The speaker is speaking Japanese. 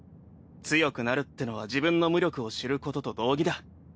強くなるってのは自分の無力を知ることと同義だ。